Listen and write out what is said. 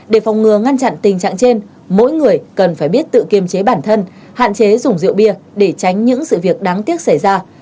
để phòng ngừa ngăn chặn tình trạng trên mỗi người cần phải biết tự kiềm chế bản thân hạn chế dùng rượu bia để tránh những sự việc đáng tiếc xảy ra